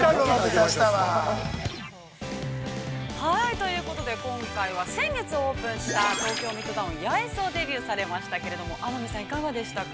◆ということで、今回は、先月オープンした東京ミッドタウン八重洲をデビューされましたけれども天海さん、いかがでしたか。